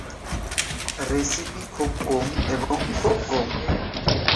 Recipe খুব কম এবং খুব কম।